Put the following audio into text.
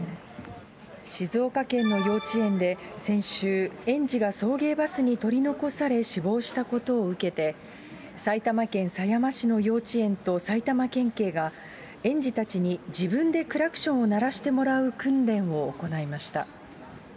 静岡県の幼稚園で先週、園児が送迎バスに取り残され死亡したことを受けて、埼玉県狭山市の幼稚園と埼玉県警が、園児たちに自分でクラクションを鳴らしてもらう訓練を行いました。